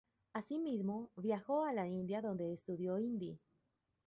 Asimismo, viajó a la India, donde estudió hindi.